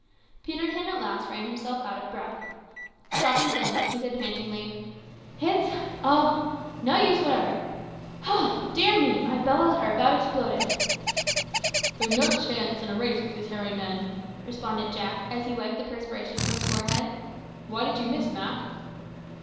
Peterkin at last ran himself out of breath. Stopping suddenly, he said, pantingly "It's o' no use whatever. Ho! dear me, my bellows are about exploded." "We've no chance in a race with these hairy men," responded Jack, as he wiped the perspiration from his forehead. "Why did you miss, Mak?"